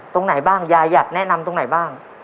ตรงไหนบ้างยายอยากแนะนำตรงไหนบ้าง